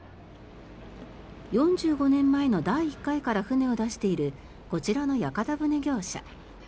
４５年前の第１回から船を出しているこちらの屋形船業者。